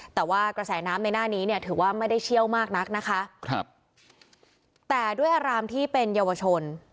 แต่ว่ากระแสน้ำในหน้านี้เนี่ยถือว่าไม่ได้เชี่ยวมากนักนะคะครับแต่ด้วยอารามที่เป็นเยาวชน